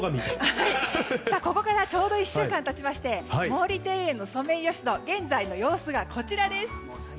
ここからちょうど１週間経ちまして毛利庭園のソメイヨシノ現在の様子がこちらです。